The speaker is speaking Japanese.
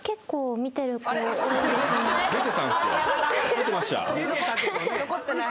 出てました。